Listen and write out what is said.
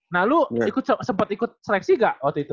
nah lu sempet ikut seleksi gak waktu itu